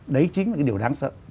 đấy chính là cái điều đáng sợ